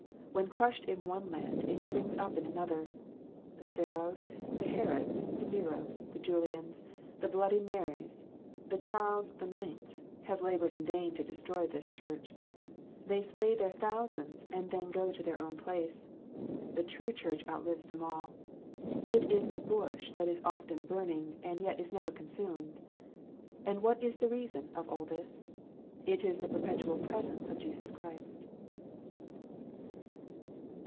When crushed in one land, it springs up in another. The Pharaohs, the Herods, the Neros, the Julians, the bloody Marys, the Charles the Ninths, have laboured in vain to destroy this Church. They slay their thousands, and then go to their own place. The true Church outlives them all. It is a bush that is often burning, and yet is never consumed. And what is the reason of all this ? It is the perpetual " presence " of Jesus Christ.